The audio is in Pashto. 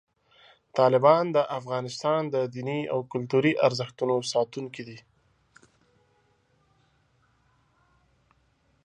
طالبان د افغانستان د دیني او کلتوري ارزښتونو ساتونکي دي.